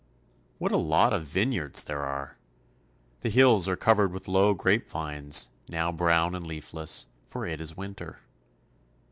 What a lot of vineyards there are ! The hills are cov ered with low grapevines, now brown and leafless, for it is winter.